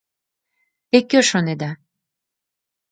Те кӧ шонеда?